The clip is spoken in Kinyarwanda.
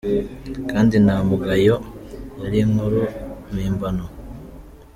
Kandi nta mugayo, yari inkuru mpimbano!